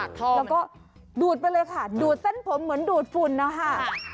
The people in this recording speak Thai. แล้วก็ดูดไปเลยค่ะดูดเส้นผมเหมือนดูดฝุ่นนะคะ